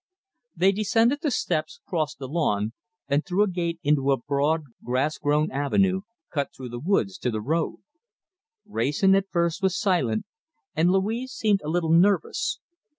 They descended the steps, crossed the lawn, and through a gate into the broad grass grown avenue, cut through the woods to the road. Wrayson at first was silent, and Louise seemed a little nervous.